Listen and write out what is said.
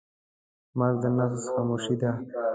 مرګ د نفس خاموشي ده.